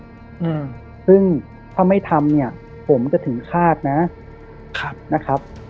อืมซึ่งถ้าไม่ทำเนี่ยผมจะถึงฆาตนะครับนะครับ